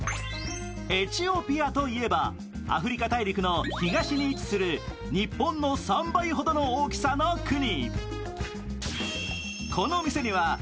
エチオピアといえばアフリカ大陸の東に位置する日本の３倍ほどの大きさの国。